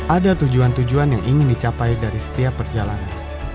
ada tujuan tujuan yang ingin dicapai dari setiap perjalanan